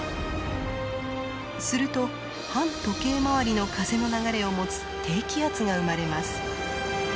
すると反時計回りの風の流れを持つ低気圧が生まれます。